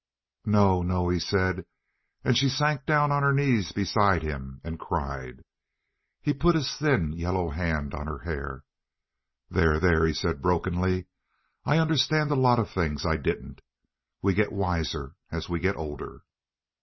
"No, no," he said; and she sank down on her knees beside him and cried. He put his thin, yellow hand on her hair. "There, there," he said brokenly, "I understand a lot of things I didn't. We get wiser as we get older."